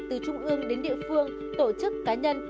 từ trung ương đến địa phương tổ chức cá nhân